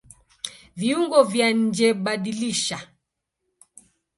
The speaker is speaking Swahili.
Viungo vya njeBadilisha